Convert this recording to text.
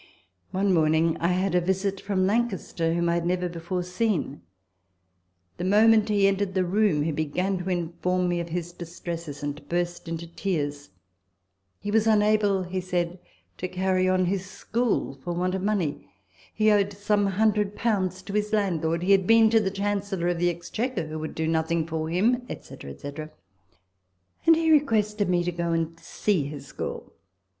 One morning I had a visit from Lancaster, whom I had never before seen. The moment he entered the room, he began to inform me of his distresses, and burst into tears. He was unable, he said, to carry on his school for want of money he owed some hundred pounds to his landlord he had been to the Chancellor of the Exchequer, who would do nothing for him, &c. &c. ; and he requested me to go and see his school.